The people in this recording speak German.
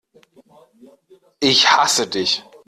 Ich hasse dich!